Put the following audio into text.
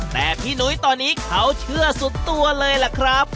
แต่พี่หนุ้ยตอนนี้เขาเชื่อสุดตัวเลยล่ะครับ